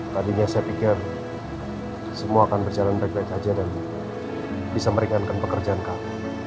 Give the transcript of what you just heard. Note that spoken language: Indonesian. tadinya saya pikir semua akan berjalan baik baik saja dan bisa meringankan pekerjaan kami